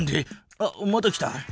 あっまた来た。